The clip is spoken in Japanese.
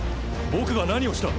僕が何をした？